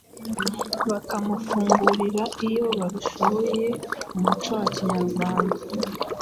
bakamufungurira iyo babishoboye. Mu muco wa Kinyarwanda